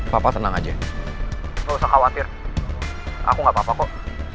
papa senang aja gak usah khawatir aku gak apa apa kok